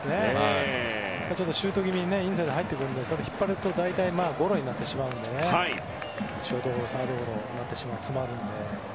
シュート気味にインサイドに入ってくるのでそれを引っ張ると大体ゴロになってしまうのでショートゴロ、サードゴロになって詰まるので。